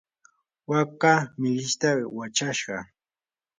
waaka millishtam wachashqa.